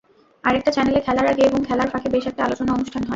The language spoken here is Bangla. আরেকটা চ্যানেলে খেলার আগে এবং খেলার ফাঁকে বেশ একটা আলোচনা অনুষ্ঠান হয়।